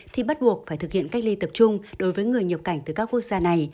thì bắt buộc phải thực hiện cách ly tập trung đối với người nhập cảnh từ các quốc gia này